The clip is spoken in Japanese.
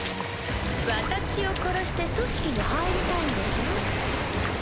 私を殺して組織に入りたいんでしょ？